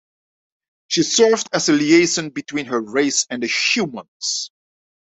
She served as a liaison between her race and the humans.